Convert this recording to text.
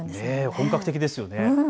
本格的ですよね。